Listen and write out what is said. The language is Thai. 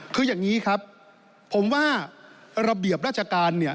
คืออย่างนี้ครับผมว่าระเบียบราชการเนี่ย